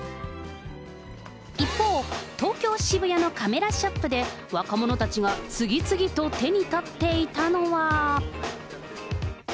一方、東京・渋谷のカメラショップで若者たちが次々と手に取っていたのは。